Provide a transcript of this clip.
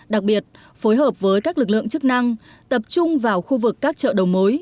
đặc biệt phối hợp với các lực lượng chức năng tập trung vào khu vực các chợ đầu mối